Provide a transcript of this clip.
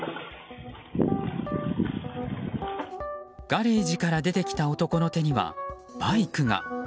ガレージから出てきた男の手にはバイクが。